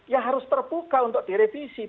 ya harus terbuka untuk direvisi